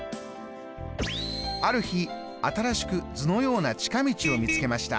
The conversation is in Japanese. ある日新しく図のような近道を見つけました。